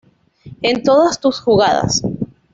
En todas tus jugadas.